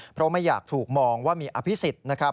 เพราะไม่อยากถูกมองว่ามีอภิษฎนะครับ